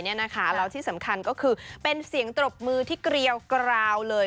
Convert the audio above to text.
แล้วที่สำคัญก็คือเป็นเสียงตรบมือที่เกรียวกราวเลย